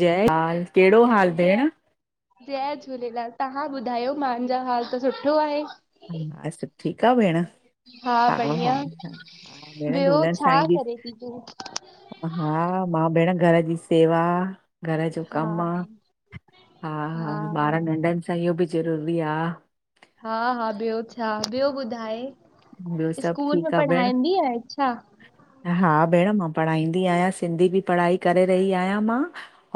जय लाल कहिड़ो हाल जय भेण जय झूलेलाल तव्हां ॿुधायो मांहजा हाल त सुठो आहे सुठी ठीकु आ भेण? हा हा, हा, हा भेण ॿियो झूलण छा साईं जी करे थी तूं हा मां भेण घर जी सेवा घर जो कमु हा, हा ॿार नंढनि सां इहो बि ज़रूरी आ हा हा ॿियो छा? ॿियो ॿुधाए ॿियो सभु स्कूल में ठीकु आ भेण? पढ़ाईंदी आहें छा? हा भेण मां पढ़ाईंदी आहियां, सिंधी बि पढ़ाई करे रही आहियां मां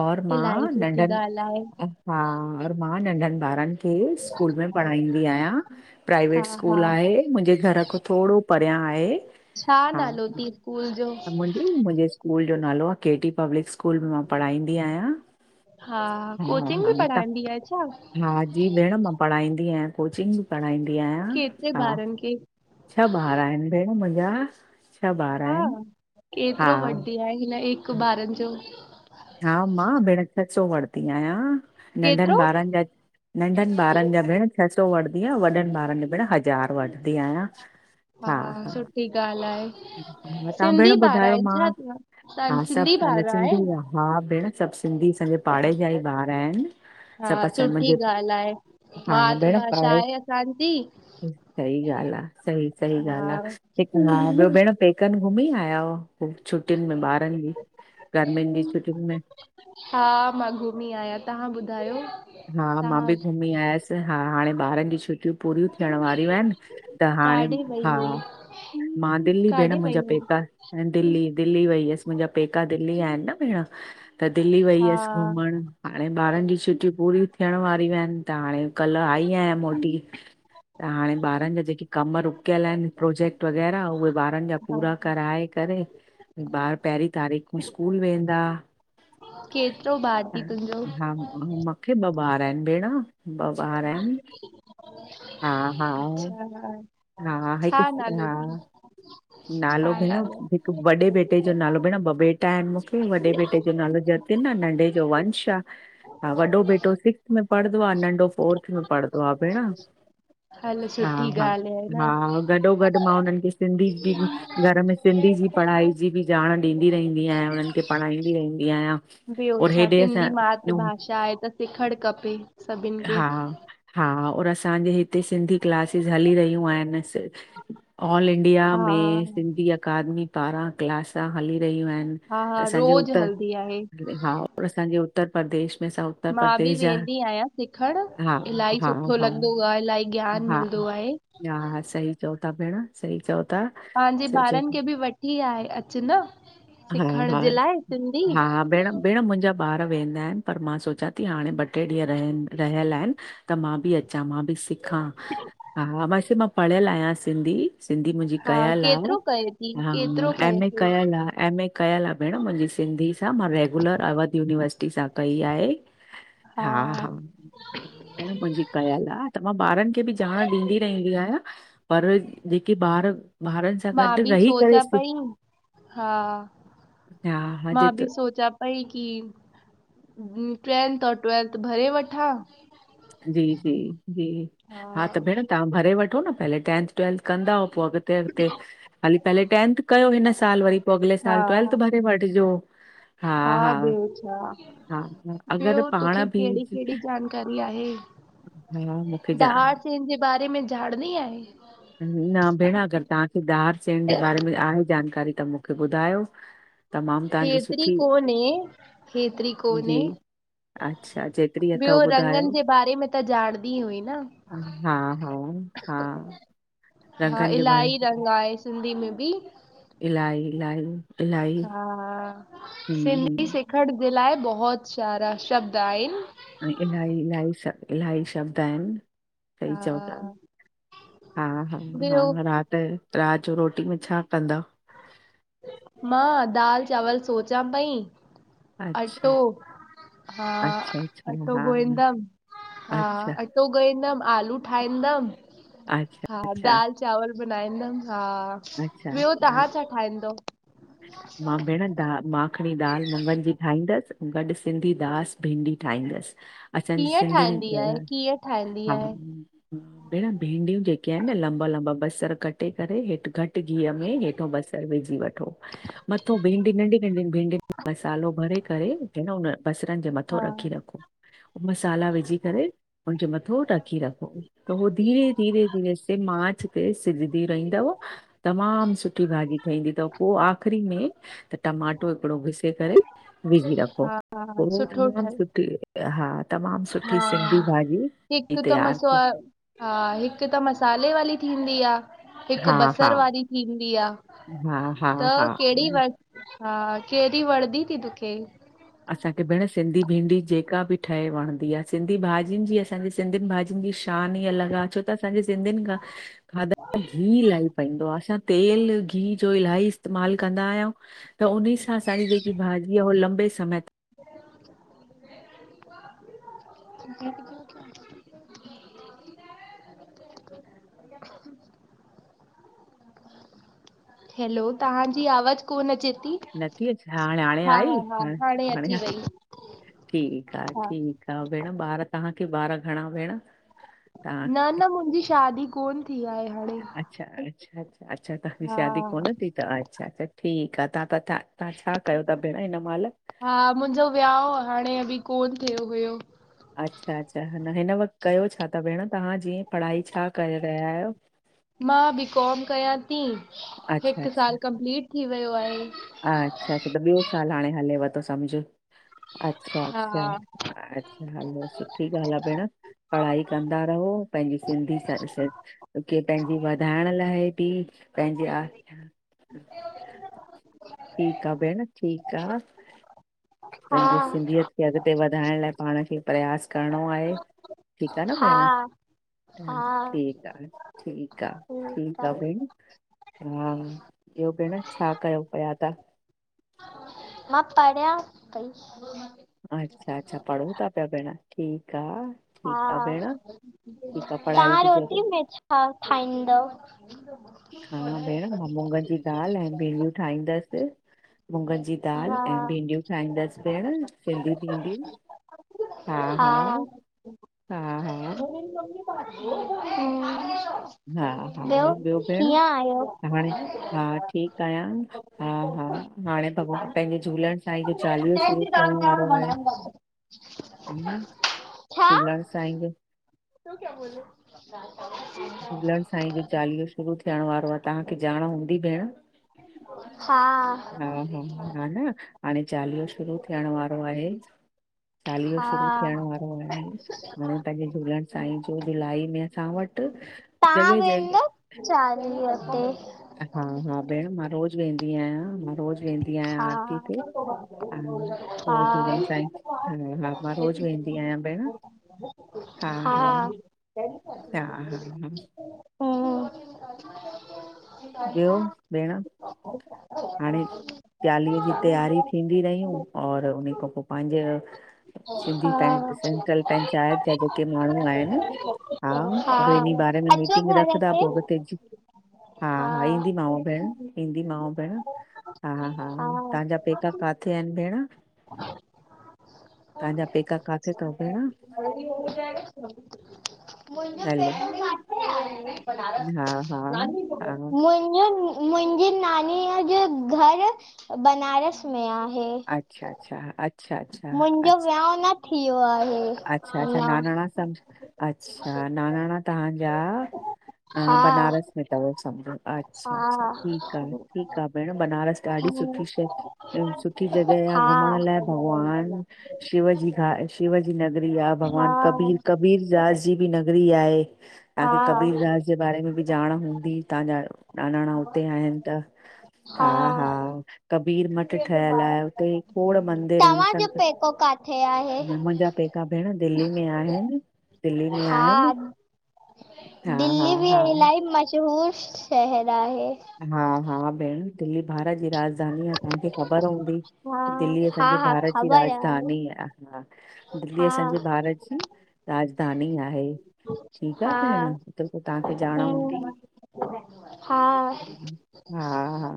और मां इलाही सुठी नंढनि ॻाल्हि आहे हा और मां नंढनि ॿारनि खे स्कूल में पढ़ाईंदी आहियां हा प्राइवेट हा स्कूल आहे, मुंहिंजे घर खों थोड़ो परियां आहे छा नालो थी स्कूल जो मुंहिंजे स्कूल जो नालो आ केडी पब्लिक स्कूल में मां पढ़ाईंदी आहियां हा हा कोचिंग हा बि त पढ़ाईंदी आहे छा? हा जी भेण मां पढ़ाईंदी आहियां, कोचिंग बि पढ़ाईंदी आहियां। केतिरे हा ॿारनि खे छह ॿार आहिनि भेण मुंहिंजा छह ॿार हा आहिनि हा केतिरो वॾी आहे हिन हिकु ॿारनि जो हा मां भिण छ सौ वरती आयां नंढ केतिरो ॿारन जा नंढन ॿारन जा भेण छह सौ वठंदी आ वॾन ॿारन ज भेण हज़ार वठंदी आहियां। हा सुठी ॻाल्हि आहे तव्हां भेण सिंधी ॿार ॿुधायो आहिनि मां छा तव्हां हा सभ सिंधी असांजा ॿार सिंधी आहियो हा भेण सभ सिंधी असांजे पाड़े जा ई ॿार आहिन। हा सुठी ॻाल्ह आहे हा भेण मातृभाषा पाणे आहे असांजी। सही ॻाल्ह आ सी सी हा ॻाल्ह आ ॿयो भेण पे कन घुमी आया हुआ छुटियुन में ॿारन जी गर्मियुन जी छुटियुन में? हा मां घुमी आयां तव्हां ॿुधायो? हा मां तव्हां बि घुमी आयस हा हाणे ॿारन जी छुटियूं पूरियूं थियण वारियूं आहिन। त हाणे काॾे वई हा हुई मां दिल्ली भेण काॾे वई मुंजा हुई पेका। दिल्ली दिल्ली वई हुअस मुंजा पेका दिल्ली आहिन न भेण त दिल्ली वई हा हुयस घुमण हाणे ॿारन जी छ पूरियूं थियण वारियूं हिन त हाणे कल आई आयां मोती। त हाणे ॿारन जा जेके कम रुकयल आहिन प्रोजेक्ट वग़ैरह उहे ॿारन जा हा पूरा कराए करे ॿार पहिरीं तारीख़ में स्कूल वेंदा। केतिरो ॿार ह थी तुंहिंजो हा मां मुखे ॿ ॿार आहिन भेण ॿ ॿार आहिन हा-हा अच्छा हा हा हिक छा नालो हा थी नालो भेण वॾे बेटे जो नालो भेण ॿ बेटा आहिन मुखे वॾे बेटे जो नालो जतिन आ नंढे जो वंश आ। हा वॾो बेटो सिक्स्थ में पढ़ंदो आ, नंढो फोर्थ में पढ़ंदो आ भेण। हलो हा सुठी हा ॻाल्ह आहे। हा न गॾो गॾ मां हुनन खे सिंधी बि घर में सिंधी जी पढ़ाई जी बि ॼाण ॾींदी रहंदी आयां उन्हन खे पढ़ाईंदी रहंदी आहियां। ॿियो और छा हेॾे सिंधी असां मातृभाषा आहे त सिखण खपे। सभिनि खे हा हा और असांजे हिते सिंधी क्लासिस हली रहियूं आहिन ऑल इंडिया में हा सिंधी अकादमी पारां क्लास हली रहियूं आहिन। हा हा असांजे रोज़ उत्तर हलंदी आहे हा असांजे उत्तर प्रदेश में सभ मां बि वेंदी आयां। सिखण हा इलाही हा सुठो हा लॻंदो आ इलाही ज्ञान मिलंदो आहे। हा-हा सही चओ था भेण सही चओ था। पांजे सही चओ ॿारन था खे बि वठी आहे अच न हा सिखण हा जे लाइ सिंधी। हा भेण भेण मुंहिंजा ॿार वेंदा आहिन, पर मां सोचां थी हाणे ब - टे ॾीह रहियल आहिन, त मां बि अचां। मां बि सिखां, हा मां, वैस मां पढ़ियल आहियां सिंधी। सिंधी मुंजी हा कयल आ, केतिरो कए थी हा केतिरो कए एमए थी कयल आ, एमए। कयल आ भेण मुंजी सिंधी सां, मां रेगुलर अवध यूनिवर्सिटी सां कई आहे। हा- हा भेण मुंजी कयल आ त मां ॿारन खे बि ॼाण ॾींदी रहंदी आहियां। पर जेके ॿार ॿारन सां गॾ मां बि रही करे सोचां पई हा हा हॼ मां बि त सोचां पई की टेंथ और ट्वेल्थ भरे वठां। जी- जी- जी हा, त भेण तव्हां भरे वठो न पहले टेंथ ट्वेल्थ कंदा हूअव, पो अॻते अॻते, हाली, पहले टेंथ कयो हिन साल वरी पो अगले हा साल ट्वेल्थ भरे वठिजो। हा- हा, ॿियो छा हा- हा ॿियो अगरि पांण तोखे कहिड़ी बिज कहिड़ी जानकारी आहे, मूंखे जा दहाड़ सेन जे बारे में ॼाणनी आहे? न भेंण अगरि तहांखे दहार सेन जे बारे में आहे जानकारी त मुख खे ॿुधायो। तमामु तव्हांजी हेतरी सुठी कोन्हे -हेतरी कोन्हे। जी अच्छा, जेतिरी ॿियो अथव रंगनि ॿुधायो। जे बारे में त जाणदी हुई न। हा - हा- हा। हा रंगनि जे बारे इलाही में रंग आहे सिंधी में बि। इलाही- इलाही। इलाही हा, हम्म सिंधी हम्म सिखण जे लाए बहुत सारा शब्द आहिन। ऐं इल्हाई- इल्हाई शब इल्हाई शब्द आहिनि। सही चओ ता, हा हा- हा- ॿियो हा रात त रात जो रोटी में छा कंदव? मां दाल चांवल सोचां पई अच्छा अटो, हा, अच्छा अच्छा अटो हा गोइंदम हा अच्छा अटो गोईंदम, आलू ठाइंदम अच्छा- अच्छा। चांवल बनाईंदमि, हा। अच्छा- अच्छा। ठाहींदो। मां भेणं, दा, मां मखणी दाल मुङनि जी ठाहींदसि, अंउं गॾु सिंधी दास भिंडी ठाहींदसि। असांजी कीअं ठाहींदी आहे सिंधियुनि कीअं ठाहींदी हा आहे? भेंण भींंडियूं जेके आहिनि न लंबा- लंबा बसर कटे करे हेठि घटि -टि घीअ में हेठों बसरु विझी वठो मथों भिंडी नंढी- नंढी भिंडियुनि खे मसालो भरे करे जींअ न हुन बसरनि जे मथो हा रखी रखो, पो मसाला विझी करे उनजे मथो रखी रखो। त हो धीरे- धीरे- धीरे सिम आंच ते सिझदी रहींदव तमामु सुठी भाॼी ठहंदी थव। पो आख़िरी में त टमाटो हिकिड़ो घिसे करे विझी रखो। हा हा पो सुठो तमाम ठहे सुठी। हा तमामु हा सुठी सिंधी भाॼी ती हिकु त मसो तयारु थे। हा हिक त मसाले वाली थींदी आ। हिकु हा हा बसर वारी थींदी आ, हा हा त हा कहिड़ी व हा कहिड़ी वणदी ती तुखे? असांखे भेंण सिंधी भिंडी जेका बि ठहे वणंदी आ, सिंधी भाॼियुनि जी असांजे सिंधियुनि भाॼियुनि जी शान ई अलॻि आ, छो त असांजे सिंधियुनि खां खाधदन में गिहु इल्हाई पईंदो आ, असां तेलु गिहु जो इल्हाई इस्तेमालु कंदा आहियंउ त उन्हे सां असांजी जेकी भाॼी आ हो लंबे समय [inaudible] [inaudible] हैलो तहांजी आवाज़ु कोन्ह अचे ती। नथी अचे, हा हाणे -हाणे आई हाणे अची -हाणे वई ठीकु आ, हा ठीकु आ, भेण ॿार तव्हांखे ॿार घणा भेण तव्हां न, न मुंहिंजी शादी कोन थी आहे हाणे अच्छा, अच्छा, अच्छा, अच्छा तव्हां जी शादी हा कोन थी थव अच्छा अच्छा ठीकु आ तव्हां त था तव्हां छा कयो था भेण हिन माहिल हा मुंहिंजो विहांउ हाणे अभी कोन थियो हुयो अच्छा, अच्छा न हिन वक़्तु कयो छा था भेण तव्हां जीअं पढ़ाई छा करे रहिया आहियो? मां बीकॉम कयां थी, अच्छा हिकु अच्छा साल कंप्लीट थी वियो आहे। अच्छा, अच्छा त ॿियो साल हाणे हलेव थो समझ अच्छा, अच्छा हा हा अच्छा हलो सुठी ॻाल्हि आ भेण पढ़ाई कंदा रहो पंहिंजी सिंधी के पंहिंजी वधाइण लाइ बि पंहिंजी आ [inaudible] ठीकु आ भेण, ठीकु आ हा पंहिंजो सिंधियत की अॻिते वधाइण लाइ पाण खे प्रयास करिणो आहे, ठीकु आ न भेण हा हा ठीकु आ, ठीकु आ, ठीकु आ भेण हा ॿियो भेण छा कयो पिया तव्हां? मां पढ़ियां पई अच्छा, अच्छा पढो था पिया भेण ठीकु आ हा ठीकु आ भेण ठीकु आ पढ़ाई तव्हां बि रोटी ज़रूरी में छा छा ठाहींदव हा भेण मां मुूङनि जी दालि ऐं भींडियूं ठाहींदसि। मुङनि जी मुूङनि जी दाल हा ऐं भिडियूं ठाईंदसि भेण फिर दीदी ईंदी हा हा-हा, हा-हा हूं हा ॿियो हा ॿियो भेण कीअं हाणे हा आयो? ठीकु आहियां हा, हा हाणे भॻवान पंहिंजे झूलण साईं जो चालीहो थियो थिहण वारो आहे, ह ना झूलण साईं जो तो क्या बोले? झूलण साईं जो चालीहो शुरू थियण वारो आ तव्हांखे जाण हूंदी भेण हा हा, हा, हा न हाणे चालीहो शुरू थियण वारो आहे। चालीहो शुरू थियण हा वारो आहे हाणे पंहिंजे झूलण साईं जो जुलाई में असां वटि जॻह ज चाली हुते हा, हा भेण मां रोज़ु वेंदी आहियां मां रोज़ वेंदी आहियां हा आरती ते हा रोज़ झूलण हा एं भेण हा, हा [inaudible] हा हा हा हम्म ॿियो भेण हाणे चालीहें जी तयारी थींदी रहियूं और उन्ही खों पो पंहिंजे हा सिंधी पं सेंट्रल पंचायत जा जेके माण्हू आहिनि हा उहे इन्ही बारन में अचो मीटिंग घर रखदा ते पो बस तेजू हा, हा ईंदीमांव भेण, ईंदीमांव भेण हा हा तव्हांजा पेका काथे आहिनि भेण तव्हां जा पैका काथे अथव भेण मुंहिंजो हलो पेट काथे आहे? हा हा हा मु मुंहिंजी नानीअ जो घर बना बनारस में आहे अच्छा अच्छा अच्छा अच्छा मुंहिंजो अच्छा विहाउ न थियो आहे अच्छा अच्छा अञा नानाणा सम अच्छा नानाणा तहांजा ह हा बनारस में समो अच्छा अच्छा हा ठीक आ, ठीक आ भेण बनारस ॾाढी हम्म सुठी शइ सुठी जॻह आ हा घुमण लाइक भॻवान शिव जी आ शिव नगरी आए, हा भॻवान कबीर कबीरदास जी बि नगरी आए। तां हा खे कबीरदास जे बारे में बि ॼाण हूंदी तां जा नानाणा हुते आहिन त हा कबीर मठ ठहियल आहे हुते, खोड़ मंदर आहिन तव्हांजो सब पेको काथे आहे? मुंहिंजा ठीक आ भेण दिल्लीअ में आहिन हा हा हा दिल्ली भी हा इलाही मशहूर शहर आहे हा हा भेण दिल्ली भारत जी राजधानी आ तांखे ख़बर हूंदी हा, दिल्ली हा, पंहिंजे हा भारत जी ख़बर आहे, राजधानी आ हा दिल्ली हा, असांजे भारत जी राजधानी आहे ठीक आ हा, भेण त पो तां खे ॼाण हूंदी हम्म हा, हा हा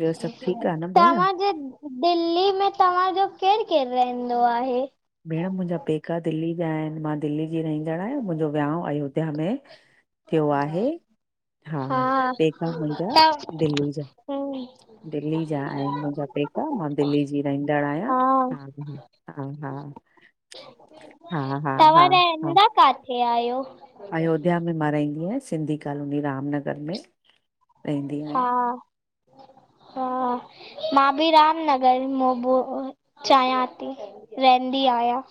ॿियो सभ ठीक आ न भेण तव्हांजे दिल्ली में तव्हां तव्हाजो केर केर रहंदो आहे भेण मुंहिंजा पेका दिल्ली जा आहिन। मां दिल्लीअ जी रहंदड़ आहियां। मुंहिंजो विहाउ अयोध्या में थियो आहे। हा पेका मुंहिंजा त दिल्ली जा हम्म, दिल्ली जा आहिन मुंहिंजा पेक मां दिल्ली जी रहिंदड़ आहियां हा, ह हा हा हा हा तव्हां हा हा रहंदा काथे आयो अयोध्या में मां रर्ईंदी आहियां, सिंधी कॉलोनी रामनगर में। रहंदी आहियां हा हा मां बि रामनगर चाहियां थी, रहंदी आहियां।